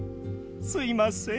すいません。